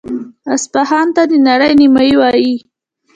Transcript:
اصفهان ته د نړۍ نیمایي وايي.